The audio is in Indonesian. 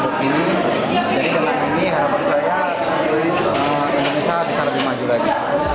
jadi dalam ini harapan saya indonesia bisa lebih maju lagi